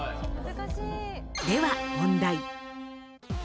では問題。